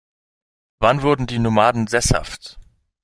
Wann wurden die Nomaden sesshaft?